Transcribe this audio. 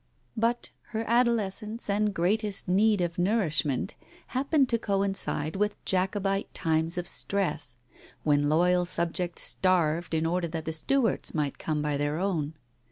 But her adolescence and greatest need of nourishment happened to coincide with Jacobite times of stress, when loyal subjects starved in order that the Stuarts might come by their own.